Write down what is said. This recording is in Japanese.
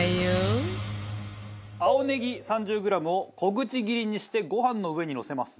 青ネギ３０グラムを小口切りにしてご飯の上にのせます。